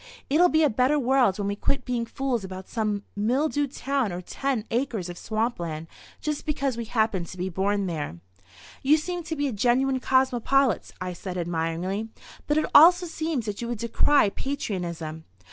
It'll be a better world when we quit being fools about some mildewed town or ten acres of swampland just because we happened to be born there." "You seem to be a genuine cosmopolite," I said admiringly. "But it also seems that you would decry patriotism."